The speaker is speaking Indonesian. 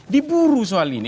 diburu soal ini